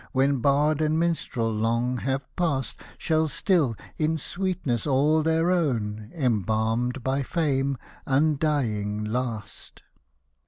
When bard and minstrel long have past. Shall still, in sweetness all their own, Embalmed by fame, undying last.